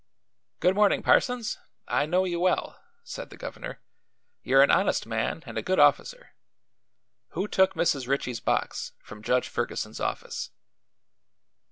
"Good morning, Parsons. I know you well," said the governor. "You're an honest man and a good officer. Who took Mrs. Ritchie's box from Judge Ferguson's office?"